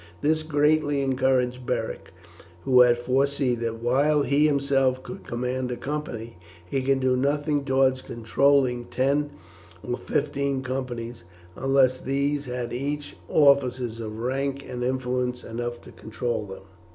This greatly encouraged Beric, who had foreseen that while he himself could command a company, he could do nothing towards controlling ten or fifteen companies unless these had each officers of rank and influence enough to control them.